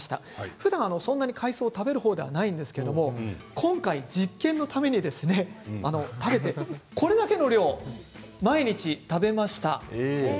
ふだん、あまり海藻を食べる方ではないんですが今回、実験のためにこれだけの量を毎日食べました。